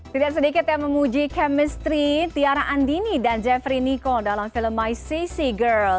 tidak sedikit yang memuji chemistry tiara andini dan jeffrey nico dalam film my sac girl